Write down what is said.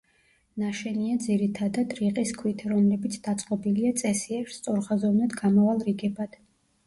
ნაშენია ძირითადად, რიყის ქვით, რომლებიც დაწყობილია წესიერ, სწორხაზოვნად გამავალ რიგებად.